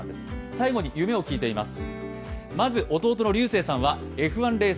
最後に夢を聞いています。